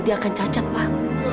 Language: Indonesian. dia akan cacat pak